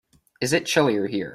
Is it chillier here